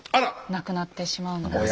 亡くなってしまうんですよね。